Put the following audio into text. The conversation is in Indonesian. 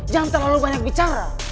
jangan terlalu banyak bicara